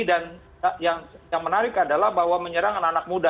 dan yang menarik adalah bahwa menyerang anak anak muda